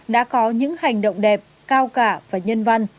đã có những hành động đẹp cao cả và nhân văn